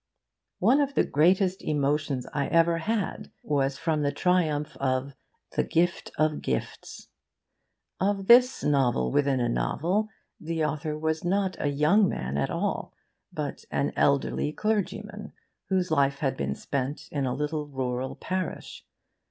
One of the greatest emotions I ever had was from the triumph of THE GIFT OF GIFTS. Of this novel within a novel the author was not a young man at all, but an elderly clergyman whose life had been spent in a little rural parish.